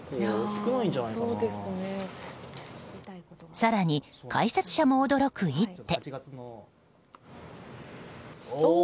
更に、解説者も驚く一手。